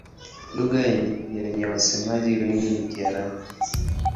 Lugha yenye wasemaji wengi ni Kiarabu.